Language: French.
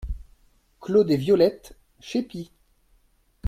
Clos des Violettes, Chépy